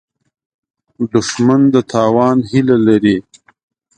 دښمن د تاوان هیله لري